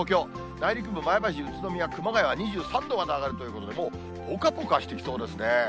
内陸部、前橋、宇都宮、熊谷は２３度まで上がるということで、もうぽかぽかしてきそうですね。